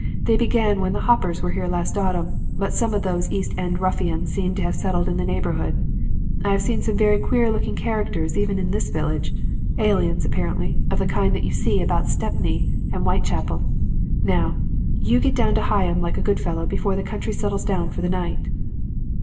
They began when the hoppers were here last autumn, but some of those East end ruffians seem to have settled in the neighborhood. I have seen some very queer looking characters even in this village; aliens, apparently, of the kind that you see about Stepney and Whitechapel. "'Now, you get down to Higham, like a good fellow, before the country settles down for the night.'